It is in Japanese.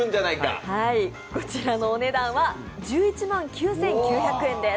こちらのお値段は１１万９９００円です。